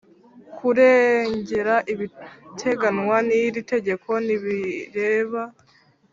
Kurengera biteganywa n iri tegeko ntibireba